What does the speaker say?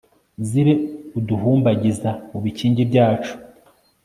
zibe uduhumbagiza mu bikingi byacu